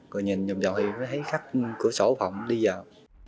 rồi nhìn vòng vòng thì thấy khách cửa sổ phòng đi vào